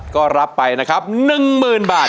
ก็รับไปนะครับ๑หมื่นบาท